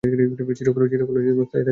চিরকাল স্থায়ী থাকবে না।